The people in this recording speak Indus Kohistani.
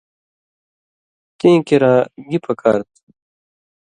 تِئیں کِراں گی پکار تُھو؟